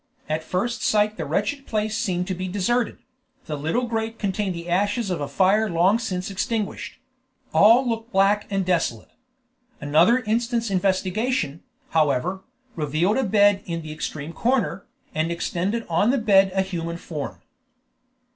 At first sight the wretched place seemed to be deserted; the little grate contained the ashes of a fire long since extinguished; all looked black and desolate. Another instant's investigation, however, revealed a bed in the extreme corner, and extended on the bed a human form.